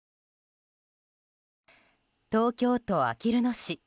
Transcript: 東京都あきる野市。